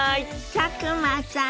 佐久間さん。